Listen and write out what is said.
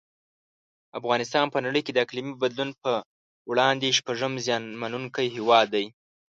افغانستان په نړۍ کې د اقلیمي بدلون په وړاندې شپږم زیانمنونکی هیواد دی.